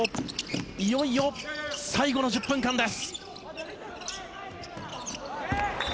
いよいよ最後の１０分間です。